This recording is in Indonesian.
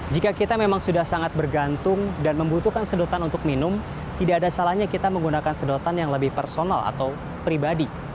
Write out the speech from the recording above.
jika kita memang sudah sangat bergantung dan membutuhkan sedotan untuk minum tidak ada salahnya kita menggunakan sedotan yang lebih personal atau pribadi